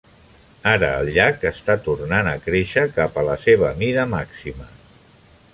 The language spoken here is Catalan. Ara el llac està tornant a créixer cap a la seva mida màxima.